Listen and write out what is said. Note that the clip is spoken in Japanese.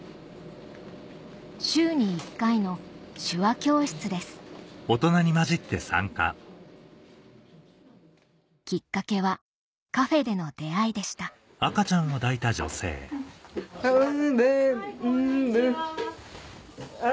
週に１回の手話教室ですきっかけはカフェでの出会いでしたこんにちは。